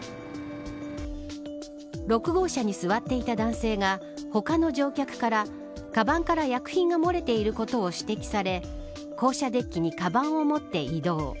６号車に座っていた男性が他の乗客からかばんから薬品が漏れていることを指摘され降車デッキにかばんを持って移動。